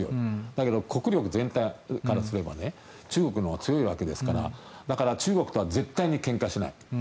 だけど国力全体からすれば中国のほうが強いわけですからだから、中国とは絶対にけんかしない。